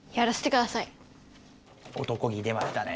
男気出ましたね。